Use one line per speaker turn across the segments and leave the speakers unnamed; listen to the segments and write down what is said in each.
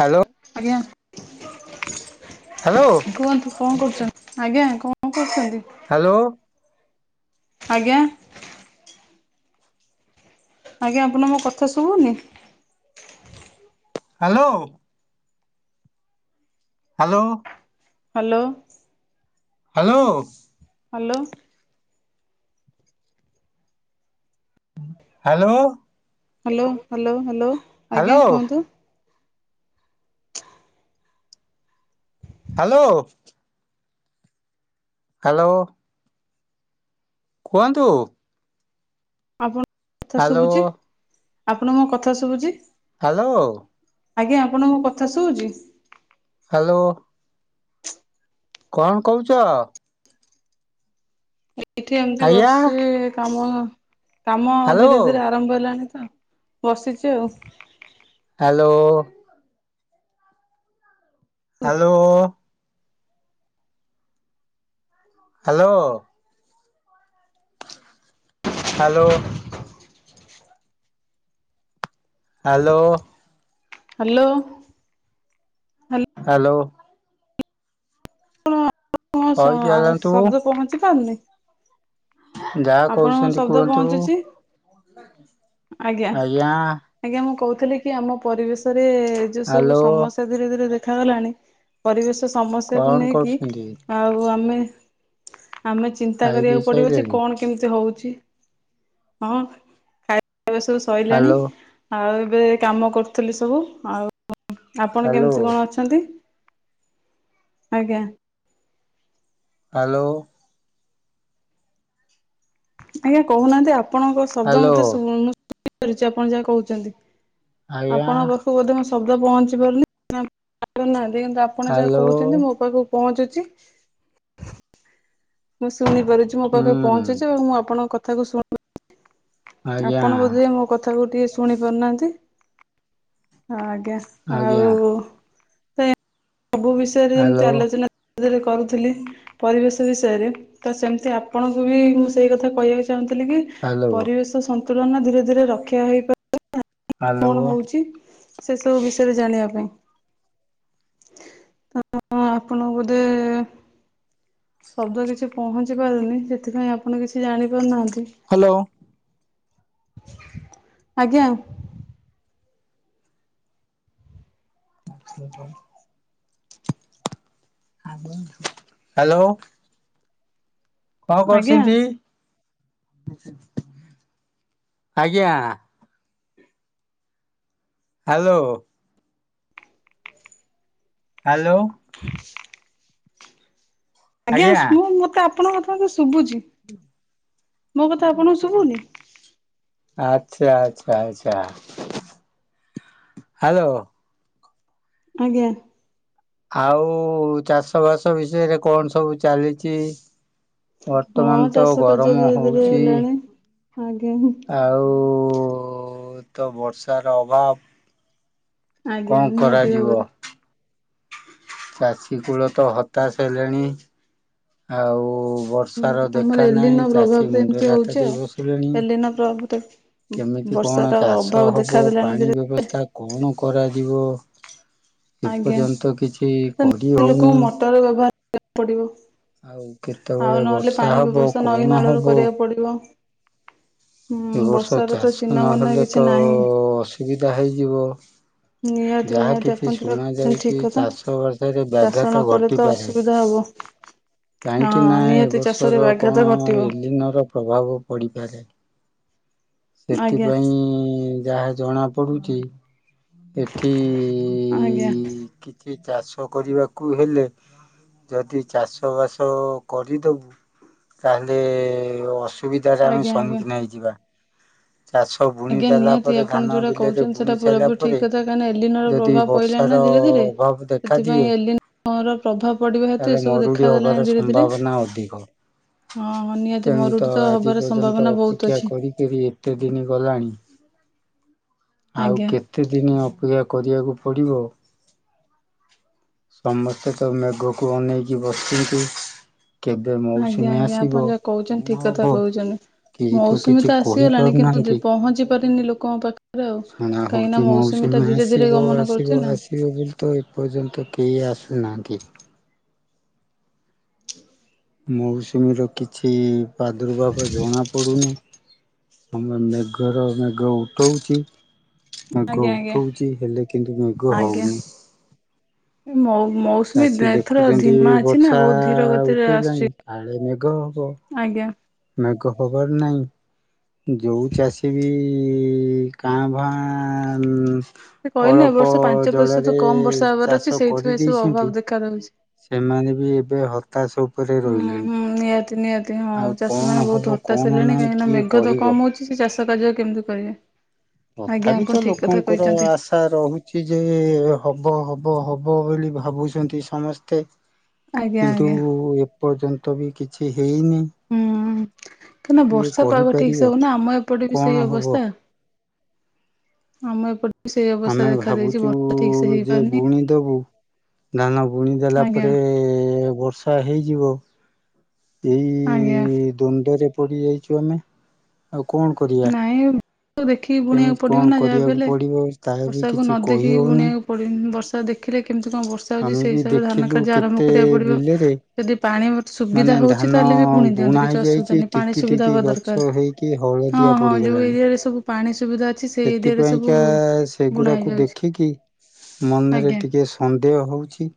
Hello
ଆଜ୍ଞା।
Hello
କୁହନ୍ତୁ କଣ କରୁଛନ୍ତି ଆଜ୍ଞା କଣ କରୁଛନ୍ତି?
ହ୍ୟାଲୋ
ଆଜ୍ଞା। ଆଜ୍ଞା ଆପଣ ମୋ କଥା ଶୁଭୁନି।
Hello. Hello.
Hello.
Hello.
Hello.
Hello.
Hello hello hello ଆଜ୍ଞା
ହ୍ୟାଲୋ
କୁହନ୍ତୁ।
ହ୍ୟାଲୋ। ହ୍ୟାଲୋ। କୁହନ୍ତୁ।
ଆପଣ କଥା
ହ୍ୟାଲୋ।
ଶୁଭୁଛି ଆପଣ ମୋ କଥା ଶୁଭୁଛି।
ହ୍ୟାଲୋ।
ଆଜ୍ଞା ଆପଣଙ୍କ କଥା ଶୁଛି
ହ୍ୟାଲୋ। କଣ କହୁଛ?
ଏଇଠି ଏମିତି
ଆଜ୍ଞା
ବସିଛି କାମ କାମ
ହ୍ୟାଲୋ
ଧୀରେ ଧୀରେ ଆରମ୍ଭ ହେଲାଣି। ବସିଛି ଆଉ।
Hello. Hello. Hello. Hello. Hello.
Hello.
Hello.
ଆଣ
ହଇ
କଣ
ଚାଲନ୍ତୁ
ଶବ୍ଦ ପହଞ୍ଚି ପାରୁନି?
ଯାହା
ଆପଣଙ୍କ
କହୁଛନ୍ତି
ଶବ୍ଦ
କୁହନ୍ତୁ।
ପହଞ୍ଚୁଛି
ଆଜ୍ଞା।
ଆଜ୍ଞା ମୁଁ କହୁଥିଲି କି ଆମ ପରିବେଶ ରେ ଯଉ ସବୁ
ହ୍ୟାଲୋ
ସମସ୍ୟା ଧୀରେ ଧୀରେ ଦେଖାଗଲାଣି ପରିବେଶ ସମସ୍ୟାକୁ
କଣ
ନେଇକି
କରୁଛନ୍ତି
ଆଉ ଆମେ ଆମେ ଚିନ୍ତା
ଖାଇ ପିଇ
କରିବାକୁ ପଡିବ ଯେ
ସାଇଲେଣି
କଣ କେମିତି ହଉଛି। ହଁ ଖାଇ ଏବେ ସବୁ ସରିଲଣି
ହ୍ୟାଲୋ
ଆଉ ଏବେ କାମ କରୁଥିଲି ସବୁ ଆଉ ଆପଣ କେମିତି
ହ୍ୟାଲୋ
କଣ ଅଛନ୍ତି? ଆଜ୍ଞା।
ହ୍ୟାଲୋ।
ଆଜ୍ଞା କହୁନାହାନ୍ତି ଆପଣଙ୍କ ଶବ୍ଦ
ହ୍ୟାଲୋ
ମତୋରୁଛି ଆପଣ ଯାହା କହୁଛନ୍ତି। [inaudible]
ଆଜ୍ଞା
ଆପଣଙ୍କ ପାଖକୁ ବୋଧେ ମୋ ଶବ୍ଦ ପହଞ୍ଚିନି?
ହ୍ୟାଲୋ
କିନ୍ତୁ ଆ ମୁଁ ଶୁଣି ପାରୁଛି ମୋ ପାଖରେ
ହୁଁ
ପହଞ୍ଚିଛି ଆଉ ମୁଁ ଆପଣଙ୍କ କଥାକୁ ଶୁଣ
ଆଜ୍ଞା
ଆପଣ ବୋଧେ ମୋ କଥା କୁ ଟିକେ ଶୁଣି ପାରୁନାହାନ୍ତି? ଆଜ୍ଞା
ଆଜ୍ଞା
ଆଉ ତ ସବୁ ବିଷୟରେ ଏମିତି
ହ୍ୟାଲୋ
ଆଲୋଚନା ରେ କରୁଥିଲି ପରିବେଶ ବିଷୟରେ ତ ସେମିତି ଆପଣଙ୍କୁ ବି ମୁଁ ସେଇ କଥା କହିବାକୁ ଚାହୁଁଥିଲି
ହ୍ୟାଲୋ
ପରିବେଶ ସନ୍ତୁଳନ ଧୀରେ ଧୀରେ ରକ୍ଷା ହେଇପା
ହ୍ୟାଲୋ
କଣ ହଉଛି ସେ ସବୁ ବିଷୟରେ ଜାଣିବା ପାଇଁ? ହଁ ଆପଣଙ୍କୁ ବୋଧେ ଶବ୍ଦ କିଛି ପହଞ୍ଚି ପାରୁନି ସେଥିପାଇଁ ଆପଣ କିଛି ଜାଣି ପାରୁନାହାନ୍ତି।
ହାଲୋ।
ଆଜ୍ଞା।
[inaudible] ହାଲୋ। ହାଲୋ। କଣ
ଆଜ୍ଞା
କରୁଛନ୍ତି? ଆଜ୍ଞା। ହ୍ୟାଲୋ। ହାଲୋ।
[inaudible] ଆଜ୍ଞା ମୁଁ ମତେ ଆପଣଙ୍କ କଥା ଶୁଭୁଛି ମୋ କଥା ଆପଣଙ୍କୁ ଶୁଭୁନି?
ଆଚ୍ଛା ଆଚ୍ଛା ଆଚ୍ଛା ହାଲୋ।
ଆଜ୍ଞା।
ଆଉ ଚାଷବାସ ବିଷୟରେ କଣ ସବୁ ଚାଲିଛି?
ହଁ
ବର୍ତ୍ତମାନ ତ
ଚାଷ କାର୍ଯ୍ୟ
ଗରମ
ଧୀରେ ଧୀରେ
ହଉଛି
ହେଲାଣି ଆଜ୍ଞା।
ବହୁତ ବର୍ଷାର ଅଭାବ। କଣ
ଆଜ୍ଞା ନିହାତି
କରାଯିବ
ଭାବରେ।
ଚାଷୀ କୂଳ ତ ହତାଶ ହେଲେଣି ଆଉ
ହୁଁ
ବର୍ଷାର
ଆମର
ଦେଖା
ଏଲିନ
ନାହିଁ ଚାଷୀ
ପ୍ରଭାବରେ ଏମିତି
ମୁଣ୍ଡରେ ହାତ
ହଉଛି ଆଉ।
ଦେଇ ବସିଲେଣି।
ଏଲିନ ପ୍ରଭାବରେ
କେମିତି କଣ
ବର୍ଷାର ଅଭାବ
ଚାଷ ହବ
ଦେଖାଦେଲାଣି ଧୀରେ
ପାଣି ବ୍ୟବସ୍ଥା କଣ କରାଯିବ?
ଆଜ୍ଞା
ଏପର୍ଯ୍ୟନ୍ତ କିଛି
ତ
କରି ହଉନି।
ଲୋକଙ୍କୁ ମଟର ବ୍ୟବହାର କରିବାକୁ ପଡିବ।
ଆଉ
ଆଉ
କେତେବେଳେ
ନହେଲେ
ବର୍ଷା
ପାଣି
ହବ
ବ୍ୟବସ୍ଥା ନଈ
କଣ
ନାଳରୁ
ହବ।
କରିବାକୁ ପଡିବ। ହୁଁ
ଏଇ ବର୍ଷ
ବର୍ଷାର ତ
ଚାଷ
ଚିହ୍ନବର୍ଣ୍ଣ
ନହେଲେ
କିଛି
ତ
ନାହିଁ।
ଅସୁବିଧା ହେଇଯିବ।
ନିହାତି
ଯାହା
ନିହାତି
କିଛି
ଆପଣ ଯୋଉଟା
ଶୁଣା
କହୁଛନ୍ତି
ଯାଉଛି
ଠିକ କଥା
ଚାଷ ବାସରେ
ଚାଷ
ବ୍ୟାଘାତ
ନ କଲେ ତ
ଘଟିପାରେ
ଅସୁବିଧା ହବ।
କାହିଁକି ନା
ହଁ
ଏବ
ନିହାତି ଚାଷରେ
ବର୍ଷର
ବ୍ୟାଘାତ
କଣ
ଘଟିବ।
ଏଲିନର ପ୍ରଭାବ ପଡିପାରେ।
ଆଜ୍ଞା
ସେଥିପାଇଁ ଯାହା ଜଣା ପଡୁଛି ଏଠି
ଆଜ୍ଞା
କିଛି ଚାଷ କରିବାକୁ ହେଲେ ଯଦି ଚାଷବାସ କରିଦେବୁ ତାହେଲେ ଅସୁବିଧାରେ ଆମେ
ଆଜ୍ଞା ଆଜ୍ଞା।
ସମ୍ମୁଖୀନ ହେଇଯିବା। ଚାଷ ବୁଣି
ଆଜ୍ଞା
ଦେଲା
ନିହାତି
ପରେ
ଆପଣ
ଧାନ
ଯୋଉଟା
ବିଲରେ
କହୁଛନ୍ତି
ବୁଣି
ସେଇଟା
ସାରିଲା
ପୁରାପୁରି
ପରେ
ଠିକ୍। [unintelligible] ଏଲିନ ର
ଯଦି
ପ୍ରଭାବ ପଡିଲାଣି
ବର୍ଷାର
ନା ଧୀରେ ଧୀରେ
ଅଭାବ
ସେଥିପାଇଁ
ଦେଖାଦିଏ
ଏଲିନ ର ପ୍ରଭାବ ପଡିବ ହେତୁ
ତାହେଲେ
ଏସବୁ
ମରୁଡ଼ି
ଦେଖାଦେଲାଣି
ହେବାର
ଧୀରେ ଧୀରେ।
ସମ୍ଭାବନା ଅଧିକ।
ହଁ ହଁ ନିହାତି
ତେଣୁ
ମରୁଡି
ତ ଆଜି
ହବାର
ପର୍ଯ୍ୟନ୍ତ
ସମ୍ଭାବନା ବହୁତ
ଅପେକ୍ଷା
ଅଛି
କରି କରି ଏତେ ଦିନ ଗଲାଣି ଆଉ
ଆଜ୍ଞା।
କେତେ ଦିନ ଅପେକ୍ଷା କରିବାକୁ ପଡ଼ିବ? ସମସ୍ତେ ତ ମେଘକୁ ଅନେଇକି ବସିଛନ୍ତି। କେବେ
ଆଜ୍ଞା
ମୌସୁମୀ
ଆଜ୍ଞା ଆପଣ
ଆସିବ
ଯାହା କହୁଛନ୍ତି
କଣ
ଠିକ
ହବ?
କଥା କହୁଛନ୍ତି।
କେହି ତ
ମୌସୁମୀ
କିଛି କହି
ଆସିଗଲାଣି କିନ୍ତୁ
ପାରୁନାହାନ୍ତି
ପହଞ୍ଚି ପାରିନି ଲୋକଙ୍କ ପାଖରେ ଆଉ।
ଶୁଣା ହଉ
କାହିଁକି ନା
କି
ଟା
ମୌସୁମୀ
ଧୀରେ ଧୀରେ
ଆସିବ
ଗମନ କରୁଛି
ଆସିବ
ନା।
ଆସିବ ବୋଲି ତ ଏପର୍ଯ୍ୟନ୍ତ କେହି ଆସୁନାହାନ୍ତି।
[inaudible] [inaudible]
ମୌସୁମୀର କିଛି ପ୍ରାଦୁର୍ଭାବ ଜଣା ପଡୁନି। ତମେ ମେଘ ର ମେଘ ଉଠଉଛି ମେଘ
ଆଜ୍ଞା ଆଜ୍ଞା।
ଉଠଉଛି ହେଲେ କିନ୍ତୁ ମେଘ
ଆଜ୍ଞା
ହଉନି।
ମଉ ମୌସୁମୀ
ଚାଷି
ଏଥର
ଦେଖୁଛନ୍ତି
ଧିମା ଅଛି ନା
ବର୍ଷା
ବହୁତ ଧୀର
ଆଉ
ଗତିରେ
ଉଠେଇଲାଣି
ଆସୁଛି।
କାଳେ ମେଘ ହେବ।
ଆଜ୍ଞା।
ମେଘ ଖବର ନାହିଁ। ଯୋଉ ଚାଷୀ ବି କାଁ ଭାଁ
ସେ କହିଲେ ଏ ବର୍ଷ
ଅଳ୍ପ
ପାଞ୍ଚ ପ୍ରତିଶତ
ଜଳରେ
କମ ବର୍ଷା ହେବାର ଅଛି
ଚାଷ
ସେଇଥିପାଇଁ
କରି
ସବୁ ଅଭାବ
ଦେଇଛନ୍ତି।
ଦେଖା ଦଉଛି।
ସେମାନେ ବି ଏବେ ହତାଶ ଉପରେ
ହୁଁ
ରହିଲେଣି।
ହୁଁ ନିହାତି ନିହାତି ହଁ
ଆଉ କଣ
ଚାଷୀମାନେ
ହବ
ବହୁତ ହତାଶ
କଣ
ହେଲଣି
ନାହିଁ
କାହିଁକିନା
କିଏ
ମେଘ ତ
କହିବ
କମ ହେଉଛି ସେ ଚାଷୀ ଚାଷ କାର୍ଯ୍ୟ କେମିତି କରିବେ? ଆଜ୍ଞା
ତଥାପି
ଆପଣ
ତ
ଠିକ କଥା
ଲୋକଙ୍କର
କହିଛନ୍ତି।
ଆଶା ରହୁଛି ଯେ ହବ ହବ ହବ ହବ ବୋଲି ଭାବୁଛନ୍ତି ସମସ୍ତେ।
ଆଜ୍ଞା
କିନ୍ତୁ
ଆଜ୍ଞା
ଏପର୍ଯ୍ୟନ୍ତ ବି କିଛି ହେଇନି।
କାହିଁକ ନା
କିଏ
ବର୍ଷା ପାଗ ଠିକ ସେ
କହିପାରିବ
ହଉନା ଆମ ଏପଟେ ବି ସେଇ
କଣ ହବ
ଅବସ୍ଥା। ଆମ ଏପଟେ ବି ସେଇ ଅବସ୍ଥା
ଆମେ
ଦେଖା ଦେଇଛି
ଭାବୁଛୁ
ବର୍ଷା ଠିକ ସେ
ଯେ
ହେଇପାରୁନି
ବୁଣି ଦବୁ ଧାନ ବୁଣି ଦେଲା
ଆଜ୍ଞା
ପରେ ବର୍ଷା ହେଇଯିବ। ଏଇ
ଆଜ୍ଞା।
ଦ୍ୱନ୍ଦରେ ପଡି ଯାଇଛୁ ଆମେ, ଆଉ କଣ କରିବା?
ବର୍ଷା ଦେଖିକି ବୁଣିବାକୁ
କେମିତି
ପଡିବ
କଣ
ନା ଯାହା ବି
କରିବାକୁ
ହେଲେ,
ପଡିବ ତାହା ବି
ବର୍ଷାକୁ
କିଛି
ନ
କହି
ଦେଖିକି
ହଉନି
ବୁଣିବାକୁ ପଡିବନି ବର୍ଷା ଦେଖିଲେ କେମିତି କଣ ବର୍ଷା ହଉଛି
ଆମେ
ସେଇ
ବି
ହିସାବରେ ଧାନ
ଦେଖିଲୁ
କାର୍ଯ୍ୟ ଆରମ୍ଭ
କେତେ
କରିବାକୁ ପଡିବ
ବିଲରେ
ଯଦି ପାଣି
ମାନେ
ସୁବିଧା ହଉଛି
ଧାନ
ତାହେଲେ ବି ବୁଣି
ବୁଣା
ଦିଅନ୍ତୁ କିଛି ଅସୁବିଧା
ହେଇଯାଇଛି
ନାହିଁ ପାଣି
ଟିକି
ସୁବିଧା
ଟିକି
ହବା
ଗଛ
ଦରକାର।
ହେଇକି
ହଁ
ହଳଦିଆ
ହଁ ଯୋଉ
ପଡିଗଲାଣି
ଏରିଆରେ ସବୁ ପାଣି ସୁବିଧା ଅଛି ସେଇ ଏରିଆରେ ସବୁ
ସେଥିପାଇଁକା
ବୁଣା
ସେଗୁଡାକୁ
ହେଇଯାଉଛି
ଦେଖିକି ମନରେ
ଆଜ୍ଞା
ଟିକେ ସନ୍ଦେହ ହଉଛି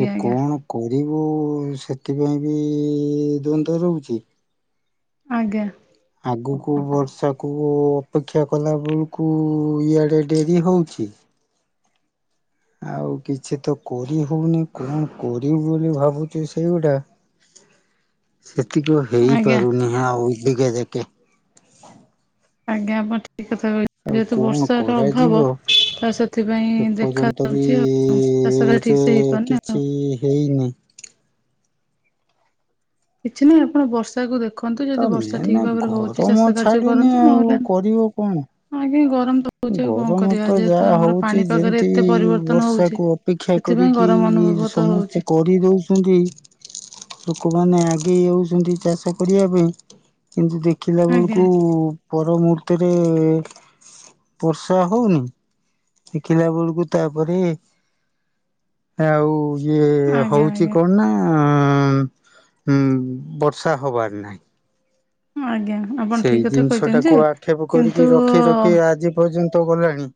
ଯେ
ଆଜ୍ଞା
କଣ କ [unintelligible] ସେଥିପାଇଁ ବି ଦ୍ୱନ୍ଦ୍ୱ ରହୁଛି।
ଆଜ୍ଞା!
ଆଗକୁ ବର୍ଷାକୁ ଅପେକ୍ଷା କଲା ବେଳକୁ ଇଆଡେ ଡେରି ହଉଛି। [unintelligible] ଆଉ କିଛି ତ କରି ହଉନି କଣ କରିବୁ ବୋଲି ଭାବୁଛୁ ସେଇଗୁଟା
[inaudible]
ସେତିକ
ଆଜ୍ଞା
ହେଇପାରୁନି ଆଉ। [unintelligible]
ଆଜ୍ଞା ଏପଟେ ଠିକ୍ କଥା
ଆଉ
ଯେହେତୁ
କଣ
ବର୍ଷାର
କରାଯିବ
ଅଭାବ ତ ସେଥିପାଇଁ
ଏପର୍ଯ୍ୟନ୍ତ ବି
ଦେଖାଯାଉଛି ଆଉ ଚାଷଟା ଠିକ ସେ
[unintelligible]
ହେଇପାରୁନି ଆଉ।
କିଛି ହେଇନି।
କିଛି ନାହିଁ ଆପଣ ବର୍ଷା ବର୍ଷାକୁ ଦେଖନ୍ତୁ,
ତ
ଯଦି ବର୍ଷା
ମେନେ
ଠିକ ଭାବରେ ହଉଛି
ଗରମ
ଚାଷ କାର୍ଯ୍ୟ
ଛାଡୁନି
କରନ୍ତୁ ନହେଲେ
ଆଉ କରିବ କଣ?
ଆଜ୍ଞା ଗ
ଗରମ ତ ଯାହା ହଉଛି
ପାଣିପାଗରେ
ଯେମତି
ଏତେ ପରିବର୍ତ୍ତନ ହଉଛି।
ବର୍ଷାକୁୁ ଅପେକ୍ଷା
ସେଥିପାଇଁ
କରିକି
ଗରମ
ଇଏ
ଅନୁଭବ ତ ହଉଛି
ସମସ୍ତେ କରିଦଉଛନ୍ତି। ଏମାନେ ଆଗେଇ ଯାଉଛନ୍ତି ଚାଷ କରିବା ପାଇଁ କିନ୍ତୁ ଦେଖ ଦେଖିଲା
ଆଜ୍ଞା
ବେଳକୁ ପରମୂହୁର୍ତ୍ତରେ ବର୍ଷା ହଉନି, ଦେଖିଲା ବେଳକୁ ତାପରେ ଆଉ ଇଏ
ଆଜ୍ଞା
ହଉଛି
ଆଜ୍ଞା।
କଣ ନା? ଆଁ ଉଁ ବର୍ଷା ହବାର ନାହିଁ।
ଆଜ୍ଞା। ଆପଣ
ସେଇ
ଠିକ କଥା
ଜିନିଷ ଟାକୁ
କହିଛନ୍ତି ଯେ
ଆକ୍ଷେପ କରିକି
-କିନ୍ତୁ
ରଖି ରଖି ଆଜି ପର୍ଯ୍ୟନ୍ତ ଗଲାଣି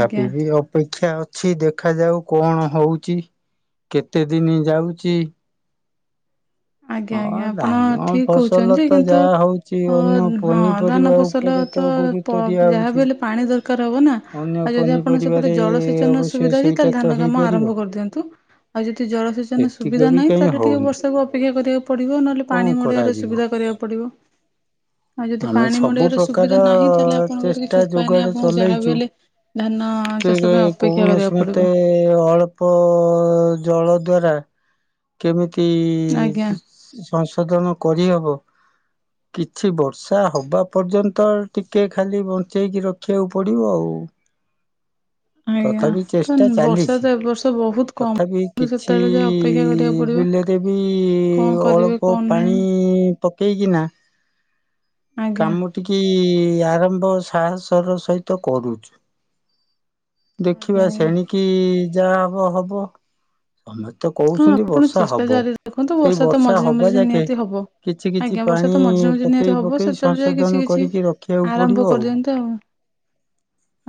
ଆଜ୍ଞା
ବି ଅପେ ଦେଖାଅଛି ଦେଖାଯାଉ, କଣ ହଉଛି, କେତେଦିନ ଯାଉଛି?
ଆଜ୍ଞା
ହଁ
ଆଜ୍ଞା ଆପଣ
ଧାନ
ଠିକ
ଫସଲ
କହୁଛନ୍ତି ଯେ
ତ
କିନ୍ତୁ
ଯାହା ହଉଛି
ଅ
ଅନ୍ୟ
ହଁ ଧାନ
ପନିପରିବା
ଫସଲ
ଉପରେ ତ ଗୁରୁତ୍ୱ
ଯାହା
ଦିଆହଉଛି
ବି ହେଲେ ପାଣି ଦରକାର ହବ ନା
ଅନ୍ୟ
ଆଉ ଯଦି ଆପଣ ସେପଟେ
ପନିପରିବାରେ
ଜଳସେଚନ
ଅବଶ୍ୟ
ସୁବିଧା
ସେଇଟା
ତାହେଲେ
ତ
ଧାନ କାମ
ହେଇପାରିବ
ଆରମ୍ଭ କରିଦିଅନ୍ତୁ ଆଉ ଯଦି ଜଳସେଚନ
ସେତିକ
ସୁବିଧା
ବି
ନାହିଁ
କାହିଁ
ତାହାଲେ ଟିକେ
ହଉନି
ବର୍ଷାକୁ ଅପେକ୍ଷା ଅପେକ୍ଷା କରିବାକୁ ପଡିବ ନହେଲେ ପାଣି
କଣ
ମଡେଇବାର
କରାଯିବ
ସୁବିଧା କରିବାକୁ ପଡିବ
ଆମେ ସବୁ ପ୍ରକାର
ନାହିଁ ତାହେଲେ ଆପଣଙ୍କର ତ କିଛି
ଚେଷ୍ଟା
ଉପାୟ ନାହିଁ
ଯୋଗାଡ
ଆପଣଙ୍କୁ ଯାହାବି
ଚଲେଇଛୁ।
ହେଲେ ଧାନ ଚାଷ ପାଇଁ ଅପେକ୍ଷା କରିବାକୁ
ଯେକୌଣସି
ପଡ଼ିବ
ମତେ ଅଳ୍ପ ଜଳ। ଦ୍ଵାରା କେମିତି
ଆଜ୍ଞା।
ସଂଶୋଧନ କରିହେବ।
[inaudible]
କିଛି ବର୍ଷା ହବା ପର୍ଯ୍ୟନ୍ତ ଟିକେ ଖାଲି ବଞ୍ଚେଇକି ରଖିବାକୁ ପଡ଼ିବ ଆଉ
ଆଜ୍ଞା
ତଥାପି
ତ
ଚେଷ୍ଟା
ବର୍ଷା ତ
ଚାଲିଛି।
ଏ ବର୍ଷ ବହୁତ କମ୍
ତଥାପି
କିନ୍ତୁ
କିଛି
ସେତେବେଳେ ଯାଏ ଅପେକ୍ଷା କରିବାକୁ ପଡ଼ିବ
ବିଲରେବି
କଣ କରିବେ
ଅଳ୍ପ
କଣ ନାହିଁ
ପାଣି। ପାଣି ପକେଇକିନା
ଆଜ୍ଞା।
କାମ ଟିକେ ଆରମ୍ଭ ସାହସର ସହିତ କରୁଛୁ।
ଆଜ୍ଞା
ଦେଖିବା
ଆଜ୍ଞା
ସେଣିକି ଯାହା ହବ ହବ ଆମେ ତ
ହଁ
କହୁଛନ୍ତି
ଆପଣ
ବର୍ଷା
ଚେଷ୍ଟା
ହବ
ଜାରି ରଖନ୍ତୁ
ସେଇ
ତ
ବର୍ଷା
ମଝିରେ ମଝିରେ
ହବଯାକେ
ନିହାତି ହବ।
କିଛି କିଛି
ଆଜ୍ଞା ବର୍ଷା
ପାଣି
ତ ମଝିରେ ମଝିରେ ନିହାତି
ପକେଇ
ହବ
ପକେଇ
ସେତେବେଳେ ଯାଏ କିଛି
ସଂଶୋଧନ
କିଛି
କରିକି ରଖିବାକୁ
ଆରମ୍ଭ
ପଡ଼ିବ ଆଉ
କରିଦିଅନ୍ତୁ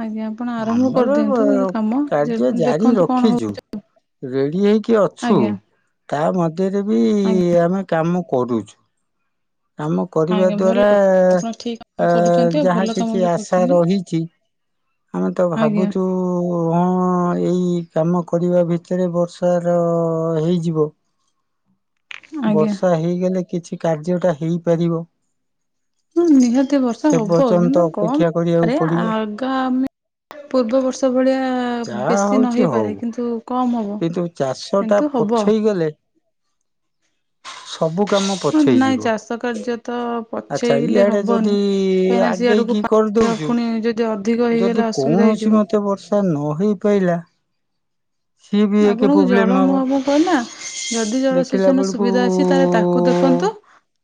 ଆଜ୍ଞା ଆପଣ ଆରମ୍ଭ
ଆମର
କରିଦିଅନ୍ତୁ ଏ କାମ ଯେ
କାର୍ଯ୍ୟ ଜାରି
ଦେଖନ୍ତୁ କଣ
ରଖିଛୁ
ହଉଛି
ରେଡି ହେଇକି ଅଛୁ
ଆଜ୍ଞା
ତା ମଧ୍ୟରେ ବି
ଆଜ୍ଞା
ଆମେ କାମ କରୁଛୁ କାମ କରିବା
ଆଜ୍ଞା
ଦ୍ଵାରା
ଭଲ ଆପଣ ଠିକ
ଅ
କାମ
ଅ
କରୁଛନ୍ତି ଆଉ
ଯାହା
ଭଲ କାମ
କିଛି
ବି
ଆଶା
କରୁଛନ୍ତି
ରହିଛି। ଆମେ ତ
ଆଜ୍ଞା
ଭାବୁଛୁ ହଁ। ହଁ ଏଇ କାମ କରିବା ଭିତରେ ବର୍ଷାର ହେଇଯିବ।
ଆଜ୍ଞା।
ବର୍ଷା ହେଇଗଲେ କିଛି କାର୍ଯ୍ୟଟା ହେଇପାରିବ।
ହଁ ନିହାତି ବର୍ଷା
ସେ
ହବ
ପର୍ଯ୍ୟନ୍ତ
କିନ୍ତୁ କମ
ଅପେକ୍ଷା କରିବାକୁ
ମାତ୍ରାରେ
ପଡିବ
ଆଗାମୀ ପୂର୍ବବର୍ଷ ଭଳିଆ
ଯାହା
ବେଶୀ
ହଉଛି ହଉ
ନହେଇପାରେ କିନ୍ତୁ କମ ହବ
କିନ୍ତୁ ଚାଷ ଟା
କିନ୍ତୁ ହବ
ପଛେଇ ଗଲେ ସବୁ କାମ
[inaudible] ନାଇଁ
ପଛେଇଯିବ
ଚାଷ କାର୍ଯ୍ୟ ତ
ଆଚ୍ଛା
ପଛେଇଲେ
ଇଆଡେ ଯଦି
ହବନି କାହିଁକିନା ସେ ଆଡକୁ
ଆଗେଇକି
ପାଣି
କରିଦଉଛୁ
ପୁଣି ଯଦି ଅଧିକ ହେଇଗଲେ
ଯଦି
ଅସୁବିଧା ହେଇଯିବ।
କୌଣସି ମତେ ବର୍ଷା ନ ହେଇପାରିଲା।
ଆପଣଙ୍କୁ
ପ୍ରୋବ୍ଲେମ
ଜଳ
ହବ
ମୁହଁବଣ କହିଲା [inaudible] ଜଦି
ଦେଖିଲା
ଜଳସେଚନ
ବେଳକୁ
ସୁବିଧା ଅଛି ତାହେଲେ ତାକୁ ଦେଖନ୍ତୁ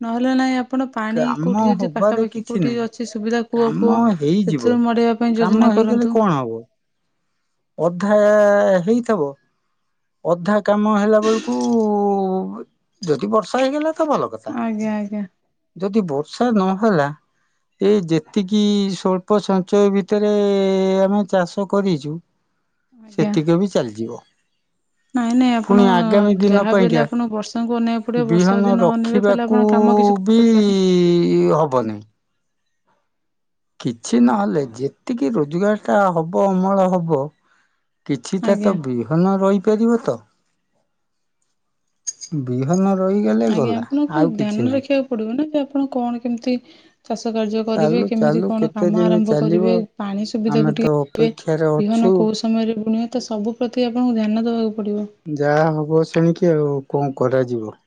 ନହେଲେନାଇଁ ଆପଣ ପାଣି
କାମ
କୋଉଠି ଯଦି
ହବାରେ
ପାଖାପାଖି
କିଛି
କୋଉଠି
ନାହିଁ
ଅଛି ସୁବିଧା
କାମ
କୂଅଫୁଅ
ହେଇଯିବ
ସେଥିରୁ ମଡେଇବା ପାଇଁ
କାମ
ଯୋଜନା
ହେଇଗଲେ
କରନ୍ତୁ
କଣ ହବ ଅଧା ହେଇଥବ। ଅଧା କାମ ହେଲା ବେଳକୁ ଯଦି ବର୍ଷା ହେଇଗଲା। ଭଲ କଥା
ଆଜ୍ଞା ଆଜ୍ଞା
ଯଦି ବର୍ଷା ନହେଲା [inaudible] ଏ ଯେତିକି ସ୍ଵଳ୍ପ ସଞ୍ଚୟ ଭିତରେ ଆମେ ଚାଷ କରିଛୁ।
ଆଜ୍ଞା।
ସେତିକ ବି ଚାଲିଯିବ।
ନାଇଁ ନାଇଁ ଆପଣ
ପୁଣି ଆଗାମୀ ଦିନ
ଯାହା ବି ହେଲେ
ପାଇଁକା
ଆପଣଙ୍କୁ ବର୍ଷାଙ୍କୁ ଅନେଇବାକୁ ପଡ଼ିବ ବର୍ଷା ଯଦି
ବୀହନ
ନ ଅନେଇବେ ତାହେଲେ ଆପଣ
ରଖିବାକୁ।
କାମ କିଛି
ବି
କରିପାରିବେନି
ହବନି। କିଛି ନହେଲେ ଯେତିକି ରୋଜଗାର ଟଟା ହବ ଅମଳ ହବ। କିଛିଟା
ଆଜ୍ଞା
ତ ବିହନ ରହିପାରିବ ତ। ବିହାର ମ।
ଆଜ୍ଞା ଆପଣଙ୍କୁ ଧ୍ୟାନରେ ରଖିବାକୁ ପଡିବ ନା ଯେ ଆପଣ କଣ କେମିତି। ଚାଷ କାର୍ଯ୍ୟ କରିବେ
ଚାଲୁ
କେମିତି
ଚାଲୁ
କଣ
କେତେ
କାମ
ଦିନ
ଆରମ୍ଭ
ଚାଲିବ
କରିବେ ପାଣି
ଆମେ
ସୁବିଧାକୁ
ତ
ଟିକେ
ଅପେକ୍ଷାରେ
ବିହନ।
ଅଛୁ।
କୋଉ ସମୟରେ ବୁଣିବ ତ ସବୁ ପ୍ରତି ଆପଣଙ୍କୁ ଧ୍ୟାନ ଦବାକୁ
ଯାହା ହବ ଶଣିକି ଆଉ କଣ କରାଯିବ।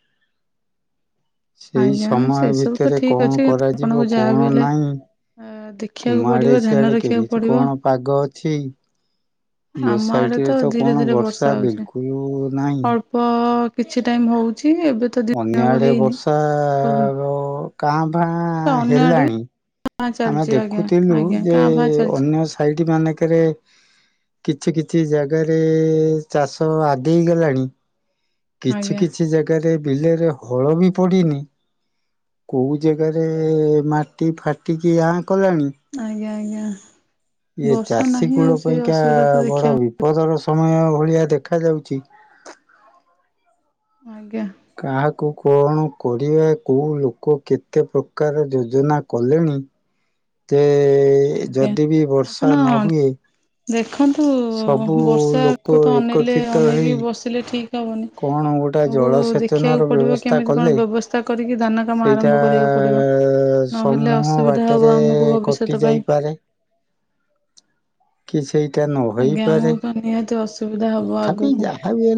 ସେଇ
ଆଜ୍ଞା
ସମୟ
ସେ ସବୁ ତ
ଭିତରେ
ଠିକ
କଣ
ଅଛି କିନ୍ତ
କରାଯିବ
ଆପଣଙ୍କୁ
କଣ
ଯାହାବ ହେଲେ
ନାହିଁ।
ଆ
ତୁମ
ଦେଖିବାକୁ
ଆଡେ
ପଡିବ ଧ୍ୟାନ
ସିଆଡେ
ରଖିବାକୁ
କେମିତି
ପଡିବ
କଣ ପାଗ ଅଛି? ଏ
ଆମ ଆଡେ
ସାଇଟରେ
ତ ଧୀରେ
କଣ
ଧୀରେ ବର୍ଷା ହଉଛି
ବିଲକୁଲ ନାହିଁ।
ଅଳ୍ପ କିଛି ଟାଇମ ହଉଛି ଏବେ ତ ଦିନ ହବ ହେଇନି ପୁ
ଓ କାଁ ଭାଁ ହେଲାଣି
କାଁ
ଆମେ
ଚାଲିଛି ଆଜ୍ଞା
ଦେଖୁଥିଲୁ
ଆଜ୍ଞା
ଯେ
କାଁ ଭାଁ ଚାଲିଛି
ଅନ୍ୟ ସାଇଡ ମାନେଙ୍କେରେ କିଛି କିଛି ଜାଗାରେ ଚାଷ ଆଗେଇ ଗଲାଣି କିଛି
ଆଜ୍ଞା।
କିଛି ଜାଗାରେ ବିଲରେ ହଳ ବି ପଡିନି କୋଉ ଜାଗାରେ ମାଟି ଫାଟିକି ଆଁ କଲାଣି।
ଆଜ୍ଞା ଆଜ୍ଞା।
ଇଏ
ବର୍ଷା
ଚାଷୀ
ନାହିଁ ଆଉ
କୂଳ
ସେ
ପାଇଁକା
ଅସୁବିଧା ତ
ବଡ
ଦେଖିବାକୁ
ବିପଦର ସ ସମୟ ଭଳିଆ ଦେଖା ଯାଉଛି
ଆଜ୍ଞା
କାହାକୁ କଣ କରିବା କୋଉଁ ଲୋକ କେତେ ପ୍ରକାର ଯୋଜନା କଲେଣି ହଁ ତେ
ଆଜ୍ଞା।
ଯଦି ବି
ଆପଣ
ବର୍ଷା ନ ହୁଏ
ଦେଖନ୍ତୁ
ସବୁ ଲୋକ
ବର୍ଷାକୁ ତ ଅନେଇଲେ
ଏକତ୍ରିତ
ଅନେଇକି
ହେଇ
ବସିଲେ ଠିକ ହବନି
କଣ ଗୋଟା
ଆମକୁ
ଜଳସେଚନ
ଦେଖିବାକୁ
ର
ପଡିବ
ବ୍ୟବସ୍ଥା
କେମିତି କଣ
କଲେ
ବ୍ୟବସ୍ଥା କରିକି ଦାନା କାମ
ସେଇଟା
ଆରମ୍ଭ କରିବାକୁ ପଡିବ ନହେ ହେଲେ
ସମୂହ
ଅସୁବିଧା ହେବ
ବାଟରେ
ଆମକୁ
କଟି
ଭବିଷ୍ୟତ ପାଇଁ।
ଯାଇପାରେ କି ସେଇଟା ନ ହେଇ
ଆଜ୍ଞା
ପାରେ
ଆମକୁ ତ ନିହାତି ଅସୁବିଧା ହବ
ତଥାପି
ଆଗକୁ।
ଯାହା ବି ହେ